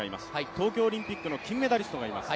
東京オリンピックの金メダリストがいます。